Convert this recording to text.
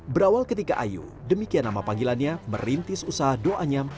berawal ketika ayu demikian nama panggilannya merintis usaha doanyam